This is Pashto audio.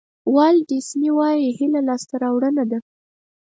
والټ ډیسني وایي هیله لاسته راوړنه ده.